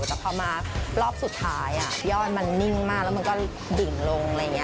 แต่พอมารอบสุดท้ายยอดมันนิ่งมากแล้วมันก็ดิ่งลงอะไรอย่างนี้